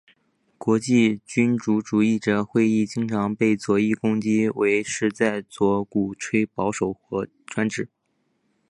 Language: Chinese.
国际君主主义者会议经常被左翼攻击为是在鼓吹保守和专制。